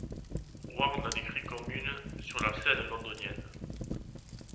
Ward la décrit comme une sur la scène londonienne.